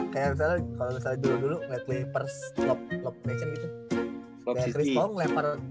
kayak misalnya kalau dulu dulu ngeliat leifers klopp lecchen gitu